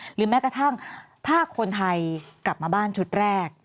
หรือแม้กระทั่งถ้าคนไทยกลับมาบ้านชุดแรก